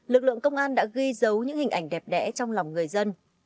lực lượng công an đã ghi dấu những hình ảnh đẹp đẽ trong lòng người dân